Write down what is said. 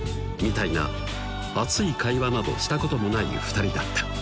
みたいな熱い会話などしたこともない２人だった